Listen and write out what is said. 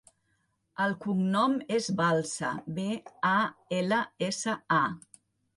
El cognom és Balsa: be, a, ela, essa, a.